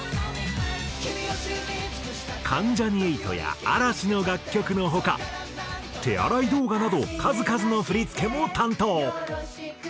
関ジャニ∞や嵐の楽曲の他手洗い動画など数々の振付も担当。